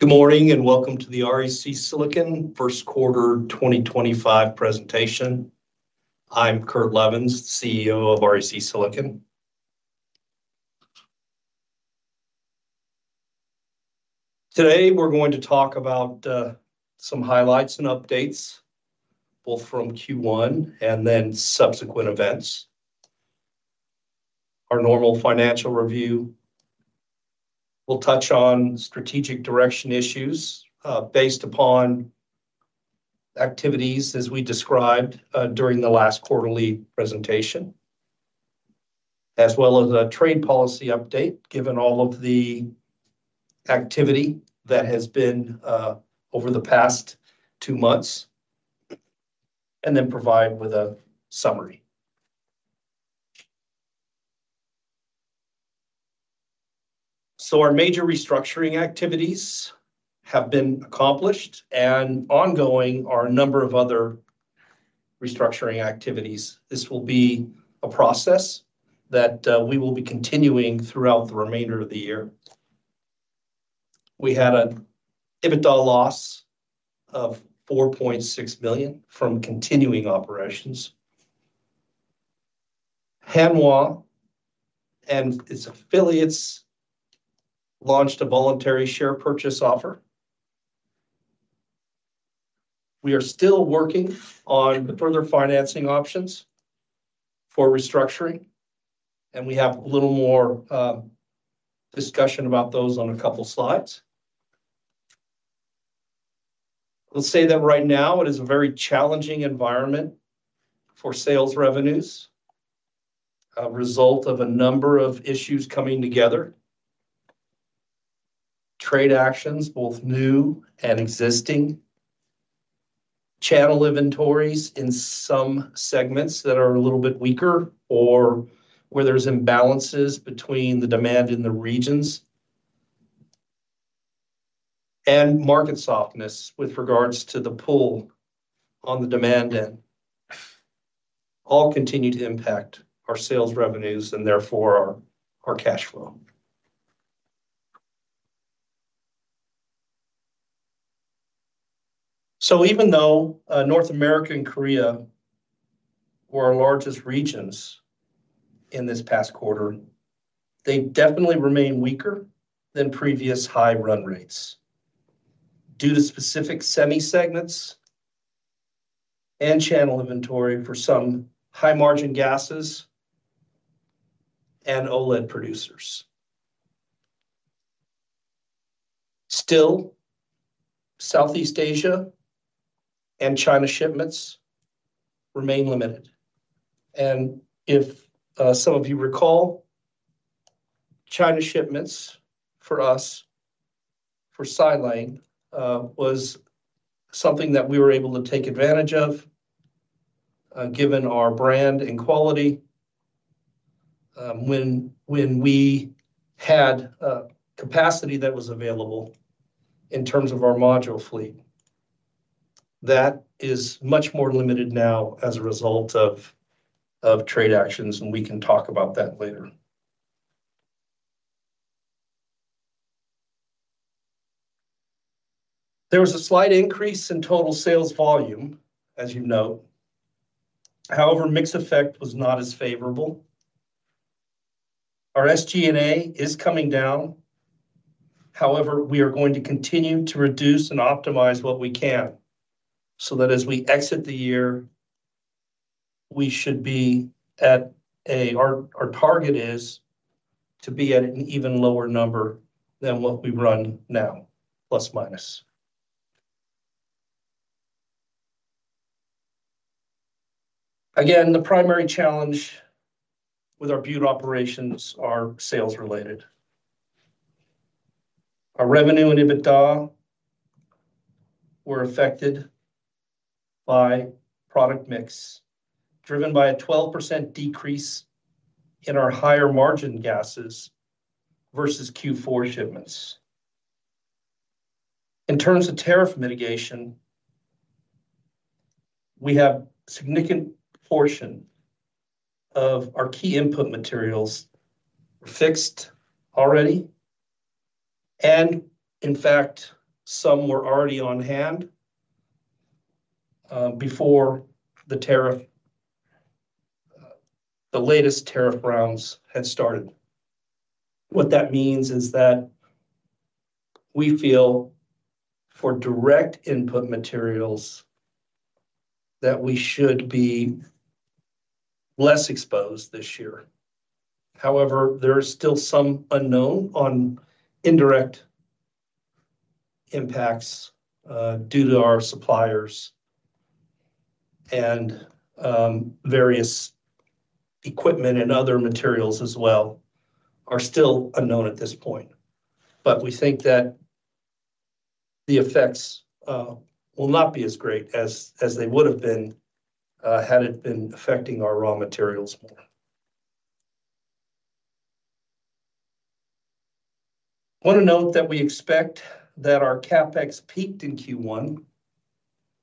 Good morning and welcome to the REC Silicon First Quarter 2025 presentation. I'm Kurt Levens, CEO of REC Silicon. Today we're going to talk about some highlights and updates, both from Q1 and then subsequent events. Our normal financial review will touch on strategic direction issues based upon activities as we described during the last quarterly presentation, as well as a trade policy update given all of the activity that has been over the past two months, and then provide you with a summary. Our major restructuring activities have been accomplished, and ongoing are a number of other restructuring activities. This will be a process that we will be continuing throughout the remainder of the year. We had an EBITDA loss of $4.6 million from continuing operations. Hanwha and its affiliates launched a voluntary share purchase offer. We are still working on the further financing options for restructuring, and we have a little more discussion about those on a couple of slides. Let's say that right now it is a very challenging environment for sales revenues as a result of a number of issues coming together: trade actions, both new and existing; channel inventories in some segments that are a little bit weaker or where there's imbalances between the demand in the regions; and market softness with regards to the pull on the demand end, all continue to impact our sales revenues and therefore our cash flow. Even though North America and Korea were our largest regions in this past quarter, they definitely remain weaker than previous high run rates due to specific semi segments and channel inventory for some high margin gases and OLED producers. Still, Southeast Asia and China shipments remain limited. If some of you recall, China shipments for us for silane was something that we were able to take advantage of given our brand and quality when we had capacity that was available in terms of our module fleet. That is much more limited now as a result of trade actions, and we can talk about that later. There was a slight increase in total sales volume, as you note. However, mixed effect was not as favorable. Our SG&A is coming down. However, we are going to continue to reduce and optimize what we can so that as we exit the year, we should be at a—our target is to be at an even lower number than what we run now, plus minus. Again, the primary challenge with our Butte operations is sales related. Our revenue and EBITDA were affected by product mix driven by a 12% decrease in our higher margin gases versus Q4 shipments. In terms of tariff mitigation, we have a significant portion of our key input materials fixed already, and in fact, some were already on hand before the latest tariff rounds had started. What that means is that we feel for direct input materials that we should be less exposed this year. However, there is still some unknown on indirect impacts due to our suppliers, and various equipment and other materials as well are still unknown at this point. We think that the effects will not be as great as they would have been had it been affecting our raw materials more. I want to note that we expect that our CapEx peaked in Q1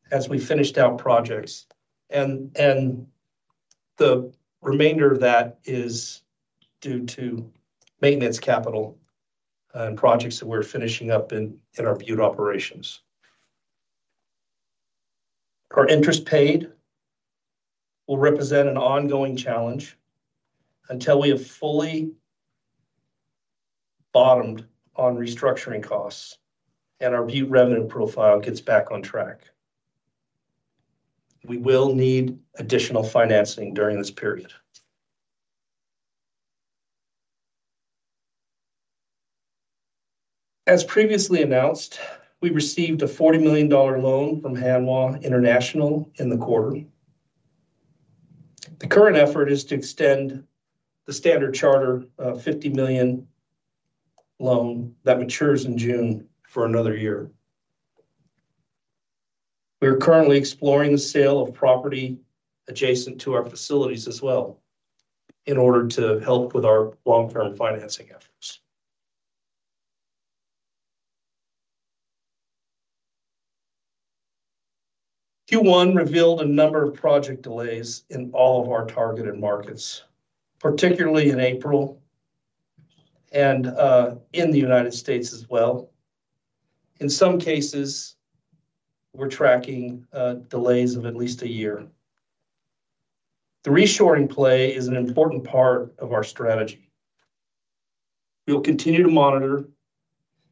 as we finished out projects, and the remainder of that is due to maintenance capital and projects that we're finishing up in our Butte operations. Our interest paid will represent an ongoing challenge until we have fully bottomed on restructuring costs and our Butte revenue profile gets back on track. We will need additional financing during this period. As previously announced, we received a $40 million loan from Hanwha in the quarter. The current effort is to extend the Standard Chartered $50 million loan that matures in June for another year. We are currently exploring the sale of property adjacent to our facilities as well in order to help with our long-term financing efforts. Q1 revealed a number of project delays in all of our targeted markets, particularly in April and in the United States as well. In some cases, we're tracking delays of at least a year. The reshoring play is an important part of our strategy. We'll continue to monitor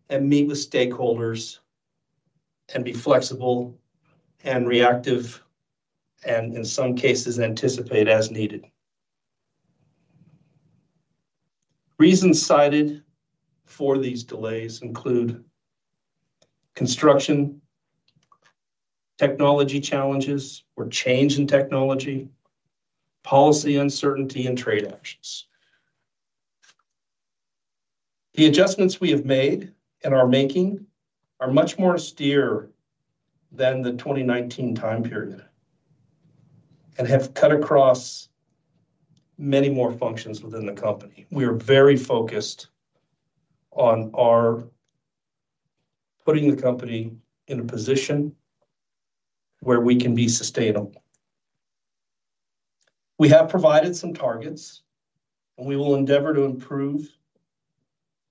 and meet with stakeholders and be flexible and reactive and, in some cases, anticipate as needed. Reasons cited for these delays include construction technology challenges or change in technology, policy uncertainty, and trade actions. The adjustments we have made and are making are much more austere than the 2019 time period and have cut across many more functions within the company. We are very focused on our putting the company in a position where we can be sustainable. We have provided some targets, and we will endeavor to improve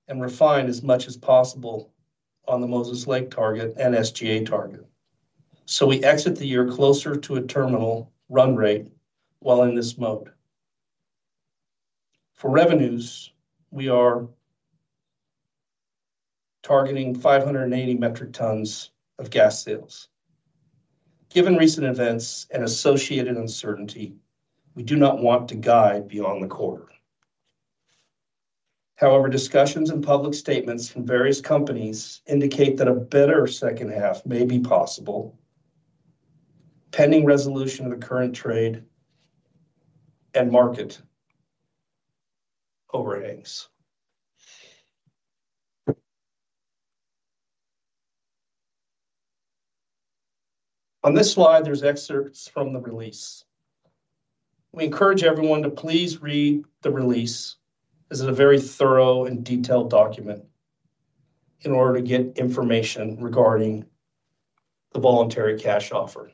and refine as much as possible on the Moses Lake target and SG&A target. We exit the year closer to a terminal run rate while in this mode. For revenues, we are targeting 580 metric tons of gas sales. Given recent events and associated uncertainty, we do not want to guide beyond the quarter. However, discussions and public statements from various companies indicate that a better second half may be possible pending resolution of the current trade and market overhangs. On this slide, there are excerpts from the release. We encourage everyone to please read the release. This is a very thorough and detailed document in order to get information regarding the voluntary cash offer.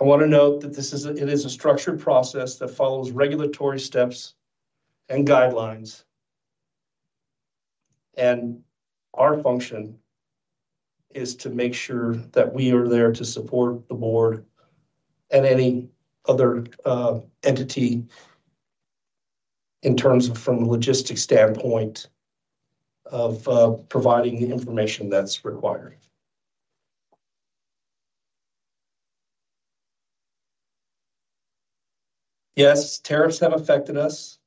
I want to note that this is a structured process that follows regulatory steps and guidelines, and our function is to make sure that we are there to support the board and any other entity in terms of from a logistics standpoint of providing the information that's required. Yes, tariffs have affected us,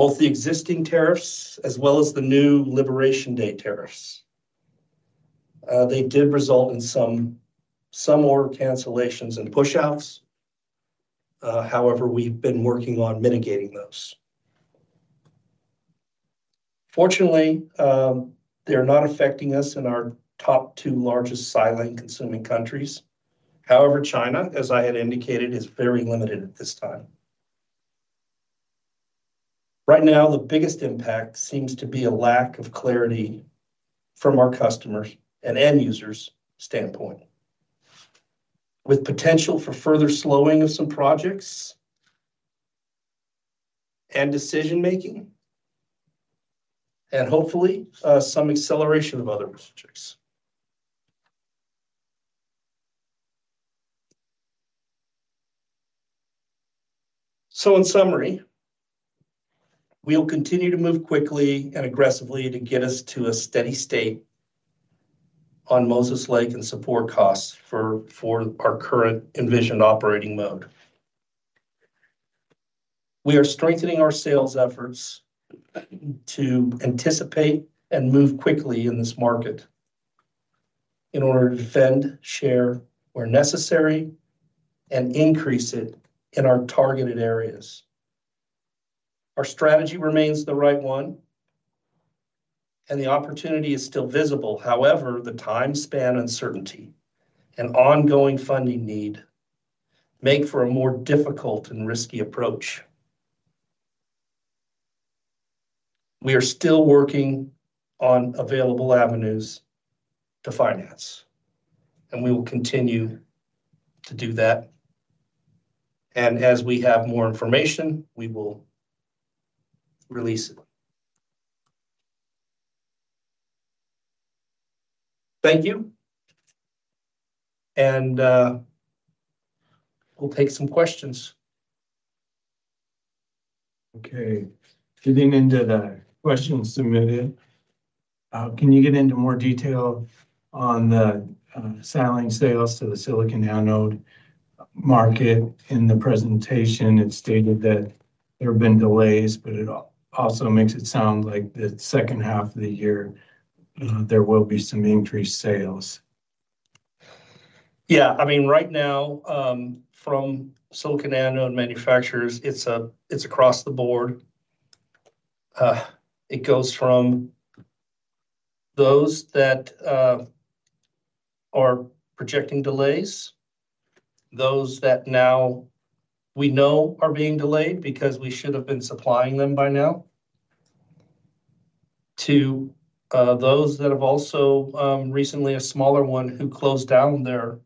both the existing tariffs as well as the new Liberation Day tariffs. They did result in some order cancellations and push-outs. However, we've been working on mitigating those. Fortunately, they are not affecting us in our top two largest silane consuming countries. However, China, as I had indicated, is very limited at this time. Right now, the biggest impact seems to be a lack of clarity from our customers' and end users' standpoint, with potential for further slowing of some projects and decision-making, and hopefully some acceleration of other projects. In summary, we'll continue to move quickly and aggressively to get us to a steady state on Moses Lake and support costs for our current envisioned operating mode. We are strengthening our sales efforts to anticipate and move quickly in this market in order to defend share where necessary and increase it in our targeted areas. Our strategy remains the right one, and the opportunity is still visible. However, the time span uncertainty and ongoing funding need make for a more difficult and risky approach. We are still working on available avenues to finance, and we will continue to do that. As we have more information, we will release it. Thank you. We'll take some questions. Okay. Getting into the questions submitted, can you get into more detail on the silane sales to the silicon anode market? In the presentation, it stated that there have been delays, but it also makes it sound like the second half of the year there will be some increased sales. Yeah. I mean, right now, from silicon anode manufacturers, it's across the board. It goes from those that are projecting delays, those that now we know are being delayed because we should have been supplying them by now, to those that have also recently, a smaller one who closed down their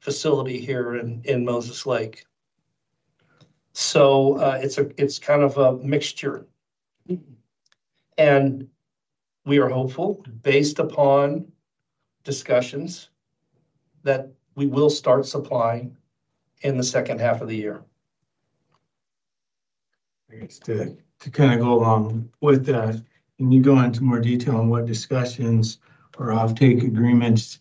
facility here in Moses Lake. So it's kind of a mixture. And we are hopeful, based upon discussions, that we will start supplying in the second half of the year. To kind of go along with that, can you go into more detail on what discussions or off-take agreements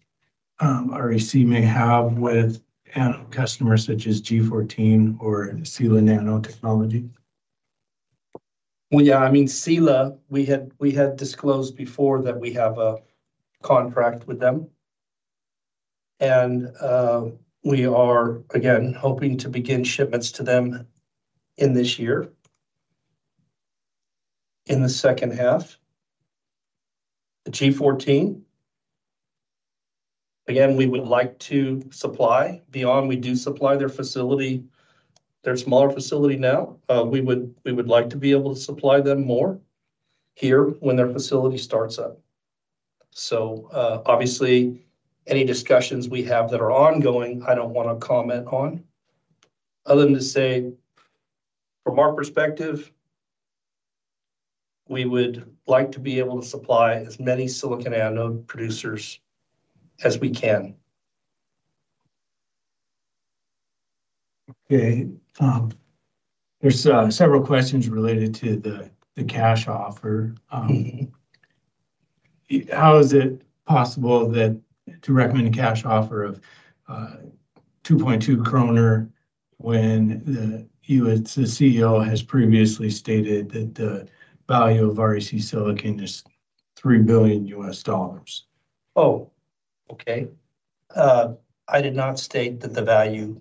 REC may have with customers such as G14 or Sila Nanotechnologies? Yeah. I mean, Sila, we had disclosed before that we have a contract with them. And we are, again, hoping to begin shipments to them in this year in the second half. The G14, again, we would like to supply beyond we do supply their facility. They're a smaller facility now. We would like to be able to supply them more here when their facility starts up. Obviously, any discussions we have that are ongoing, I don't want to comment on other than to say, from our perspective, we would like to be able to supply as many silicon anode producers as we can. Okay. There's several questions related to the cash offer. How is it possible to recommend a cash offer of 2.2 kroner when the CEO has previously stated that the value of REC Silicon is $3 billion? Oh, okay. I did not state that the value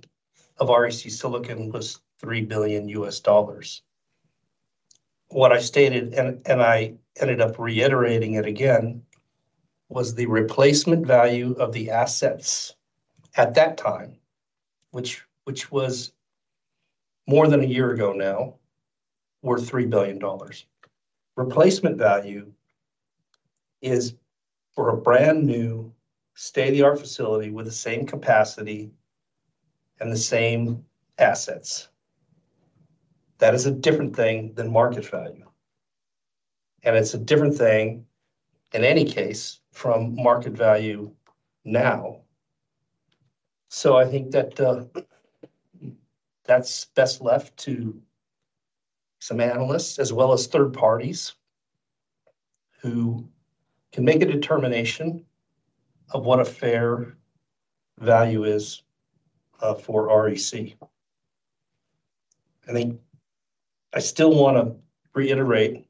of REC Silicon was $3 billion. What I stated, and I ended up reiterating it again, was the replacement value of the assets at that time, which was more than a year ago now, were $3 billion. Replacement value is for a brand new state-of-the-art facility with the same capacity and the same assets. That is a different thing than market value. It is a different thing, in any case, from market value now. I think that is best left to some analysts as well as third parties who can make a determination of what a fair value is for REC. I think I still want to reiterate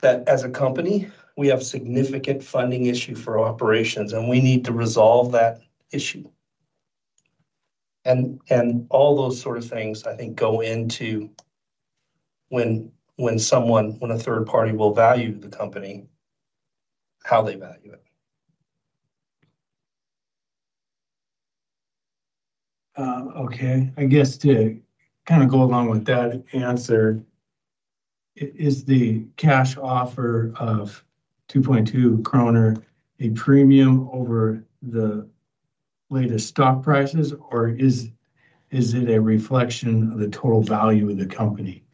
that as a company, we have a significant funding issue for operations, and we need to resolve that issue. All those sort of things, I think, go into when a third party will value the company, how they value it. Okay. I guess to kind of go along with that answer, is the cash offer of 2.2 kroner a premium over the latest stock prices, or is it a reflection of the total value of the company?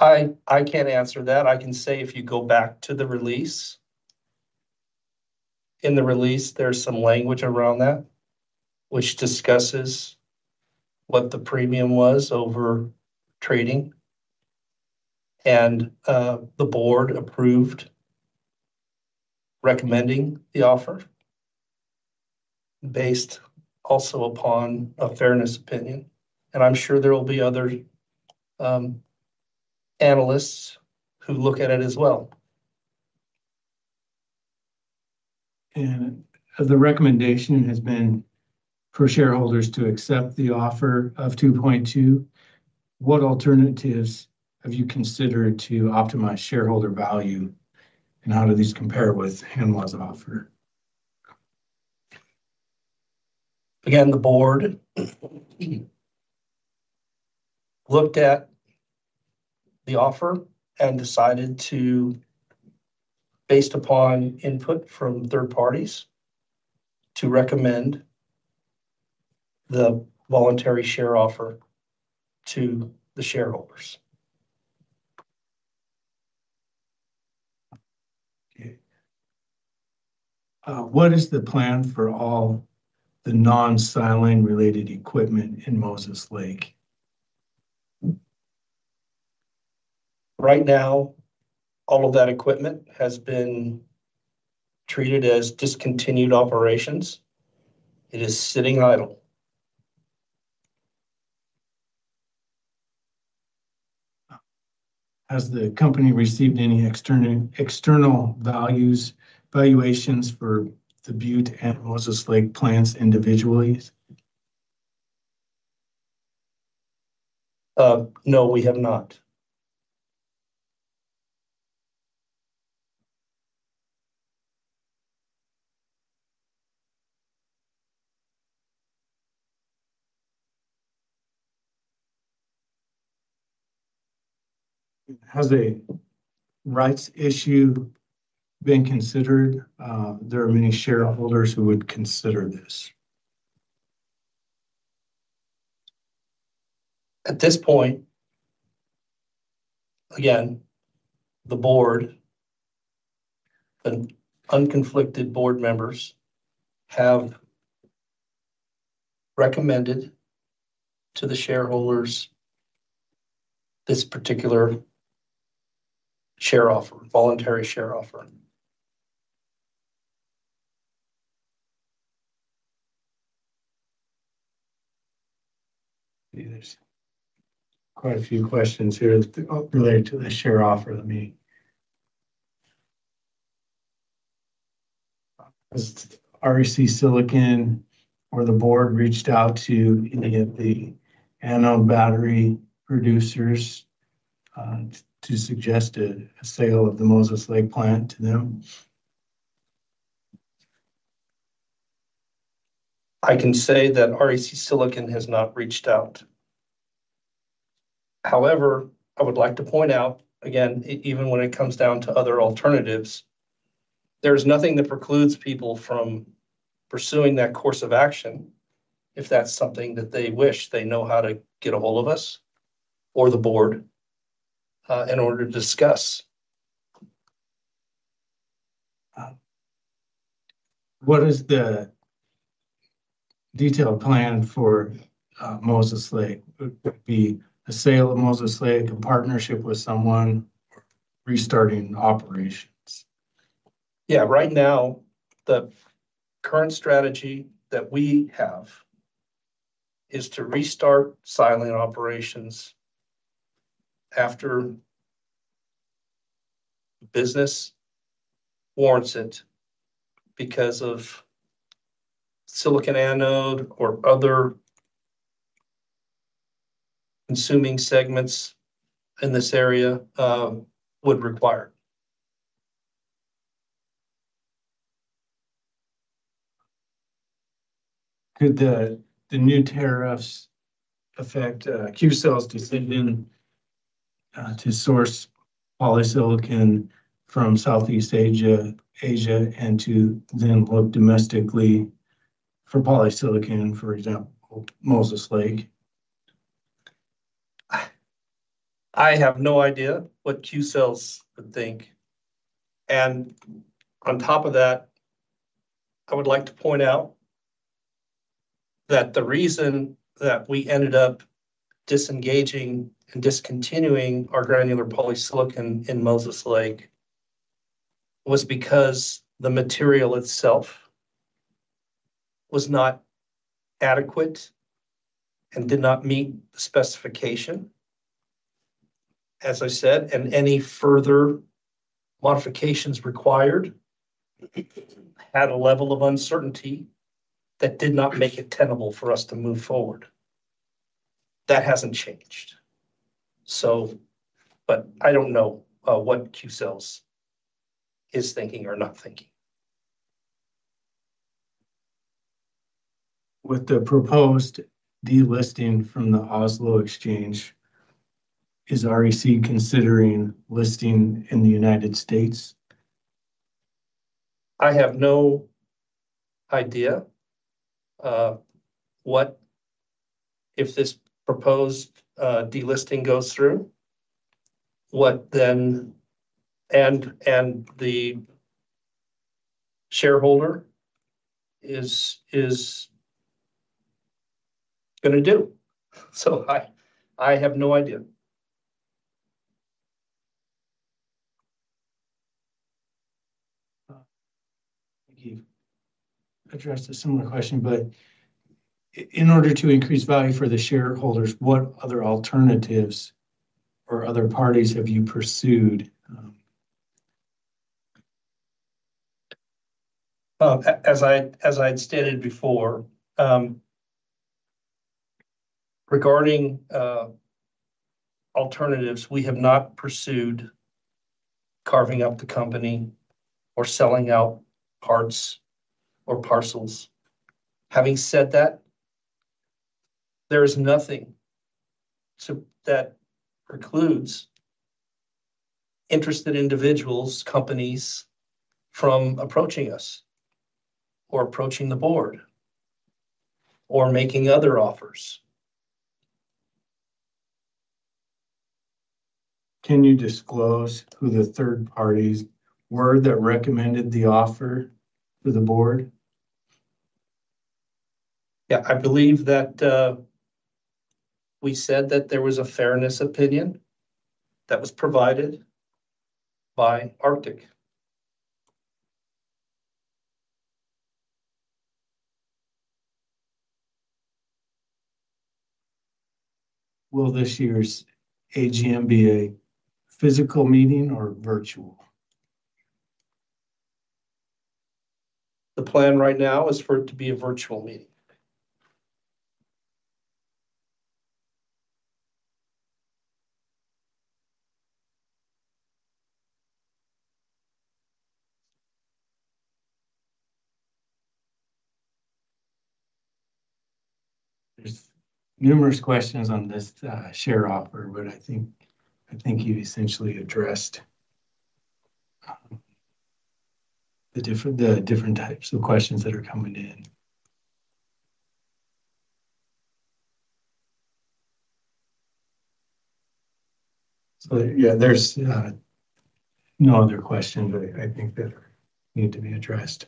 I can't answer that. I can say if you go back to the release, in the release, there's some language around that, which discusses what the premium was over trading. The board approved recommending the offer based also upon a fairness opinion. I'm sure there will be other analysts who look at it as well. The recommendation has been for shareholders to accept the offer of 2.2. What alternatives have you considered to optimize shareholder value, and how do these compare with Hanwha's offer? Again, the board looked at the offer and decided to, based upon input from third parties, recommend the voluntary share offer to the shareholders. Okay. What is the plan for all the non-silane related equipment in Moses Lake? Right now, all of that equipment has been treated as discontinued operations. It is sitting idle. Has the company received any external valuations for the Butte and Moses Lake plants individually? No, we have not. Has a rights issue been considered? There are many shareholders who would consider this. At this point, again, the board, the unconflicted board members, have recommended to the shareholders this particular share offer, voluntary share offer. There are quite a few questions here related to the share offer. Let me ask: has REC Silicon or the board reached out to any of the anode battery producers to suggest a sale of the Moses Lake plant to them? I can say that REC Silicon has not reached out. However, I would like to point out, again, even when it comes down to other alternatives, there is nothing that precludes people from pursuing that course of action if that's something that they wish. They know how to get a hold of us or the board in order to discuss. What is the detailed plan for Moses Lake? Would it be a sale of Moses Lake in partnership with someone or restarting operations? Yeah. Right now, the current strategy that we have is to restart silane operations after business warrants it because of silicon anode or other consuming segments in this area would require. Could the new tariffs affect Qcells' decision to source polysilicon from Southeast Asia and to then look domestically for polysilicon, for example, Moses Lake? I have no idea what Qcells would think. On top of that, I would like to point out that the reason that we ended up disengaging and discontinuing our granular polysilicon in Moses Lake was because the material itself was not adequate and did not meet the specification, as I said, and any further modifications required had a level of uncertainty that did not make it tenable for us to move forward. That has not changed. I do not know what Qcells is thinking or not thinking. With the proposed delisting from the Oslo Exchange, is REC considering listing in the United States? I have no idea if this proposed delisting goes through, what then and the shareholder is going to do. I have no idea. I think you have addressed a similar question, but in order to increase value for the shareholders, what other alternatives or other parties have you pursued? As I'd stated before, regarding alternatives, we have not pursued carving up the company or selling out parts or parcels. Having said that, there is nothing that precludes interested individuals, companies, from approaching us or approaching the board or making other offers. Can you disclose who the third parties were that recommended the offer to the board? Yeah. I believe that we said that there was a fairness opinion that was provided by Arctic. Will this year's AGM be a physical meeting or virtual? The plan right now is for it to be a virtual meeting. There are numerous questions on this share offer, but I think you've essentially addressed the different types of questions that are coming in. Yeah, there are no other questions I think that need to be addressed.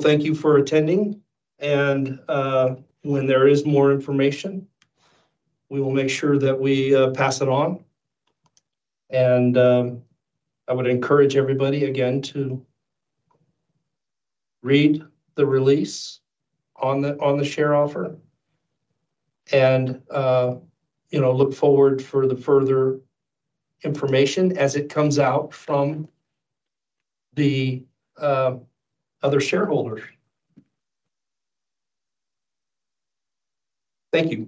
Thank you for attending. When there is more information, we will make sure that we pass it on. I would encourage everybody, again, to read the release on the share offer and look forward to further information as it comes out from the other shareholders. Thank you.